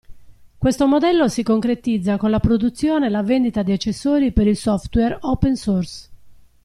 Questo modello si concretizza con la produzione e la vendita di accessori per il software open source.